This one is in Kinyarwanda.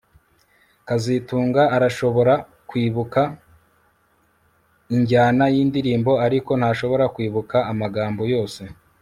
kazitunga arashobora kwibuka injyana yindirimbo ariko ntashobora kwibuka amagambo yose